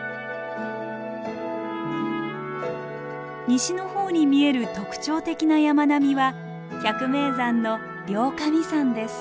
西の方に見える特徴的な山並みは百名山の両神山です。